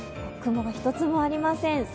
雲が１つもありません。